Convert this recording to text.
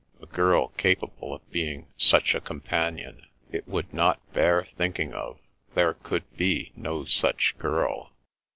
a girl capable of being such a companion. It would not bear thinking of. There could be no such girl.